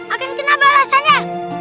akan kena balasannya